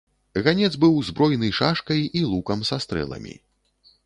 Ганец быў збройны шашкай і лукам са стрэламі.